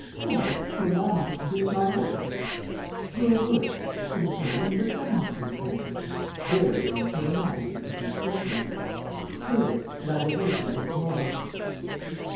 Well, to allow me to complete my work!" "Your work? But it's not even begun, M. Lupin." "There Your Imperial Majesty is mistaken." "Prove it ... and I will wait until to morrow."